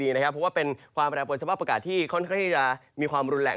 เพราะว่าเป็นเปลี่ยนปรับอากาศที่มีความรุนแรง